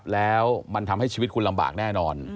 แล้วมันทำให้ชีวิตคุณลำบากแน่นอน